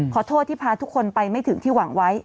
ขอโทษที่พาทุกคนไปไม่ถึงที่หวังไว้